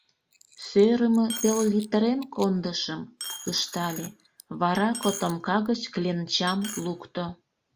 — Сӧрымӧ пеллитрем кондышым, — ыштале, вара котомка гыч кленчам лукто.